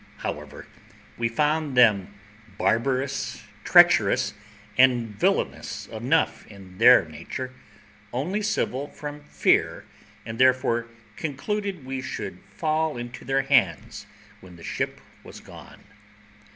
However, we found them barbarous, treacherous, and villainous enough in their nature, only civil from fear, and therefore concluded we should soon fall into their hands when the ship was gone.